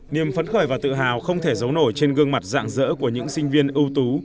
niềm phấn khởi và tự hào không thể giấu nổi trên gương mặt dạng dỡ của những sinh viên ưu tú